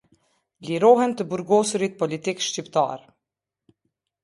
Lirohen të burgosurit politikë shqiptarë.